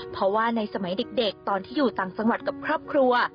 เพราะว่าในสมัยเด็กตอนที่อยู่ต่างจังหวัดกับครอบครัว